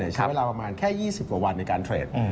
ใช้เวลาประมาณแค่๒๐กว่าวันในการเทรด